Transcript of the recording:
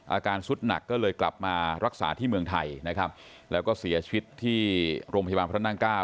อาการสุดหนักก็เลยกลับมารักษาที่เมืองไทยนะครับแล้วก็เสียชีวิตที่โรงพยาบาลพระนั่งเก้า